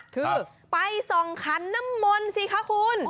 คือไปส่องขันน้ำมนต์สิคะคุณ